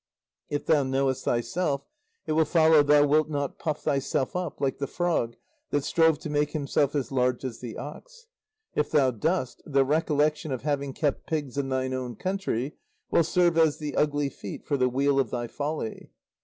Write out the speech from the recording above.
If thou knowest thyself, it will follow thou wilt not puff thyself up like the frog that strove to make himself as large as the ox; if thou dost, the recollection of having kept pigs in thine own country will serve as the ugly feet for the wheel of thy folly."